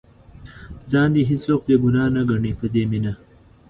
ځان دې هېڅوک بې ګناه نه ګڼي په دې مینه.